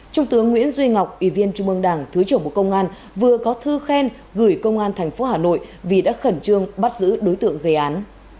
trung tướng nguyễn duy ngọc ủy viên trung mương đảng thứ trưởng bộ công an vừa có thư khen gửi công an tp hà nội vì đã khẩn trương bắt giữ đối tượng gây án